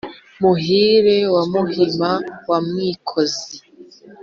Muhire wa Muhima wa Mwikozi